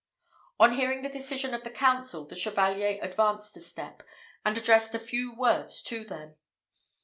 On hearing the decision of the council, the Chevalier advanced a step, and addressed a few words to them.